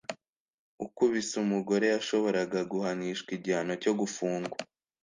Ukubise umugore yashoboraga guhanishwa igihano cyo gufungwa.